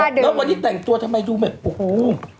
แล้วเมื่อกี้แต่งตัวทำไมดูเป็นโอ้โฮ